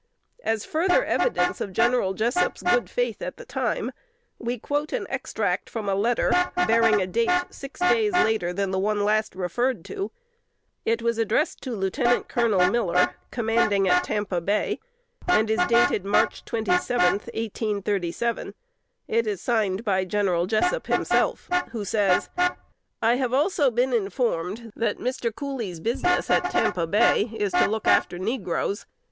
As further evidence of General Jessup's good faith at the time, we quote an extract from a letter, bearing date six days later than the one last referred to. It was addressed to Lieutenant Colonel Miller, commanding at Tampa Bay, and is dated March twenty seventh, 1837. It is signed by General Jessup himself, who says: "I have also been informed that Mr. Cooley's business at Tampa Bay is to look after negroes.